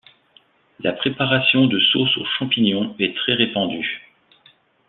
La préparation de sauces aux champignons est très répandue.